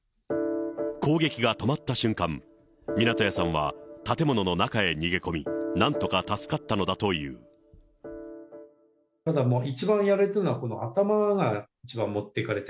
攻撃が止まった瞬間、湊屋さんは建物の中へ逃げ込み、なんとただもう、一番やられたのは、この頭が一番もっていかれて。